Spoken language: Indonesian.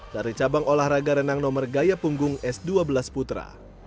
dari cabang olahraga renang nomor gaya punggung s dua belas putra